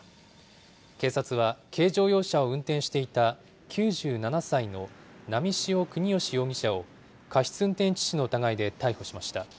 警察は軽乗用車を運転していた９７歳の波汐國芳容疑者を、過失運転致死の疑いで逮捕しました。